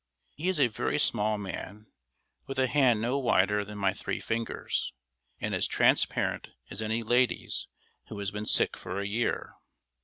He is a very small man, with a hand no wider than my three fingers, and as transparent as any lady's who has been sick for a year.